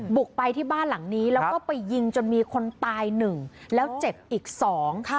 บุกไปที่บ้านหลังนี้แล้วก็ไปยิงจนมีคนตายหนึ่งแล้วเจ็บอีกสองค่ะ